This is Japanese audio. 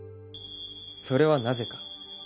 それはなぜか？